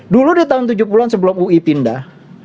dulu di tahun tujuh puluh an sebelum ui pindah